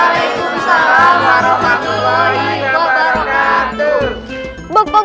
waalaikumsalam warahmatullahi wabarakatuh